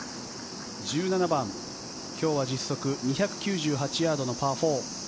１７番、今日は実測２９８ヤードのパー４。